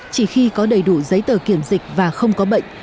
chỉ khi có đầy đủ giấy tờ kiểm dịch và không có bệnh